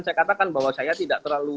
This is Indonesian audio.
saya katakan bahwa saya tidak terlalu